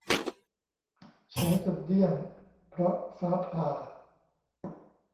ใช้จนเดี้ยงเพราะฟ้าผ่า